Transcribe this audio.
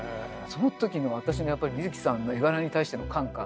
その時の私のやっぱり水木さんの絵柄に対しての感化。